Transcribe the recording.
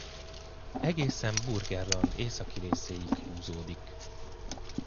Egészen Burgenland északi részéig húzódik.